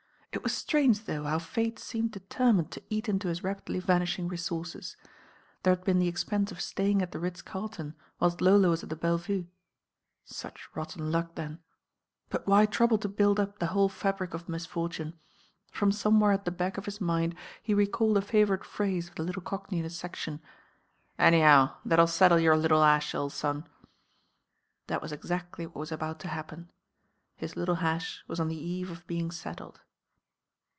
It was strange, though, how fate seemed determined to eat into his rapidly vanishing resources. There had been the expense of staying at the Ritz Carlton, whilst Lola was at the Belle Vuc. Such rotten luck, then ; but why trouble to build up the whole fabric of misfortune? From somewhere at the back of his mind he recalled a favourite phrase of the little cockney in his section, "Any*ow, that'll settle your little 'ash, ole son." That was exactly what was about to happen. His little hash was on the eve of being settled.